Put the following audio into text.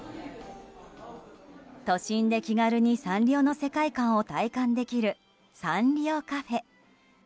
都心で気軽にサンリオの世界観を体感できるサンリオカフェ。